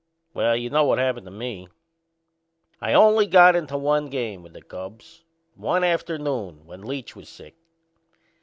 Well, you know what happened to me. I only got into one game with the Cubs one afternoon when Leach was sick.